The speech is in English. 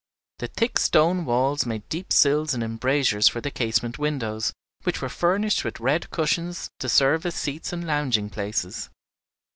The thick stone walls made deep sills and embrasures for the casement windows, which were furnished with red cushions to serve as seats and lounging places.